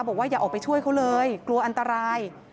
อย่าออกไปช่วยเขาเลยกลัวอันตราย